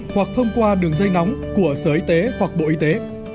hoặc thông qua đường dây nóng của sở y tế hoặc bộ y tế